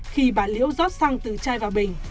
khi bà liễu rót xăng từ chai vào bình